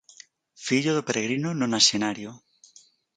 Fillo do peregrino nonaxenario.